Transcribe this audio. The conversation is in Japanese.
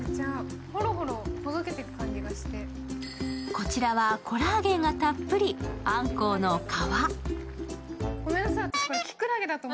こちらはコラーゲンがたっぷり、あんこうの皮。